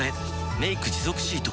「メイク持続シート」